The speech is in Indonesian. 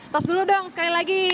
tas dulu dong sekali lagi